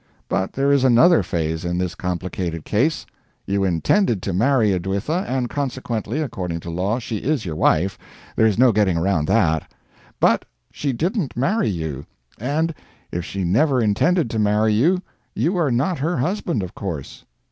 But there is another phase in this complicated case: You intended to marry Edwitha, and consequently, according to law, she is your wife there is no getting around that; but she didn't marry you, and if she never intended to marry you, you are not her husband, of course.